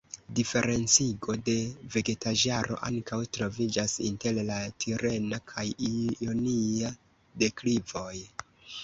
Diferencigo de vegetaĵaro ankaŭ troviĝas inter la tirena kaj ionia deklivoj.